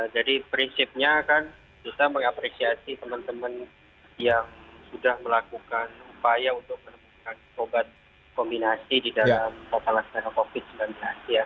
jadi prinsipnya kan kita mengapresiasi teman teman yang sudah melakukan upaya untuk menemukan obat kombinasi di dalam totalan serak covid sembilan belas